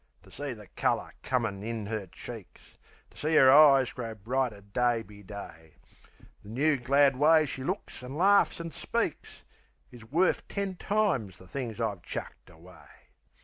To see the colour comin' in 'er cheeks, To see 'er eyes grow brighter day be day, The new, glad way she looks an' laughs an' speaks Is worf ten times the things I've chucked away.